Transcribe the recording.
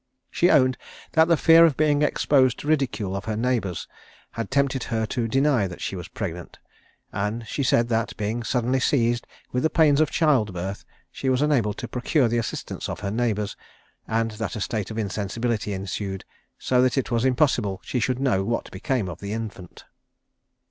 She owned that the fear of being exposed to the ridicule of her neighbours had tempted her to deny that she was pregnant; and she said that, being suddenly seized with the pains of child birth, she was unable to procure the assistance of her neighbours; and that a state of insensibility ensued, so that it was impossible she should know what became of the infant.